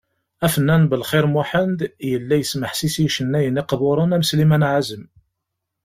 Afennan Belxir Muḥend, yella yesmeḥsis i yicennayen iqburen am Sliman Ɛazem.